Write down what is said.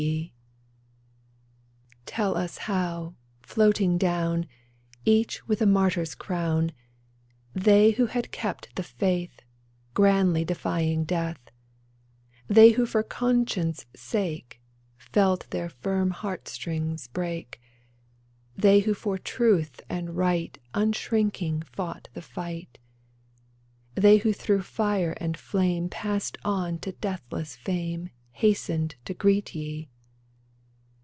GETTYSBURG 13I Tell us how, floating down, Each with a martyr's crown, They who had kept the faith, Grandly defying death ; They who for conscience' sake Felt their firm heartstrings break ; They who for truth and right Unshrinking fought the fight ; They who through fire and flame Passed on to deathless fame. Hastened to greet ye